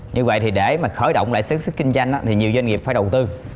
như vậy thì để mà khởi động lại xứ sức kinh doanh thì nhiều doanh nghiệp phải đầu tư